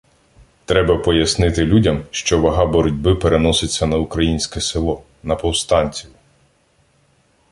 Треба пояснити людям, що вага боротьби переноситься на українське село, на повстанців.